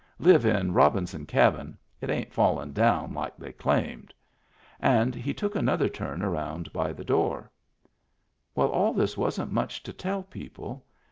Live in Robinson Cabin — it ain't fallen down like they claimed." And he took another turn around by the door. Well, all this wasn't much to tell people.